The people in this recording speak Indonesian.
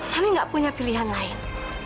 mami gak punya pilihan lain